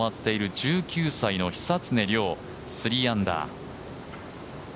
１９歳の久常涼、３アンダー。